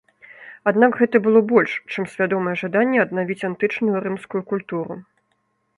Аднак гэта было больш, чым свядомае жаданне аднавіць антычную рымскую культуру.